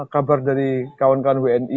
kabar dari kawan kawan wni